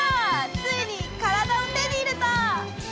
ついに体を手に入れた！